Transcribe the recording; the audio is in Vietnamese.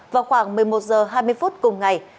vào khoảng một mươi một h hai mươi phút cùng ngày